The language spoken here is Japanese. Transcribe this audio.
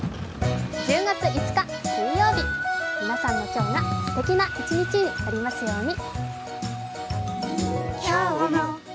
１０月５日水曜日、皆さんの今日がすてきな一日になりますように。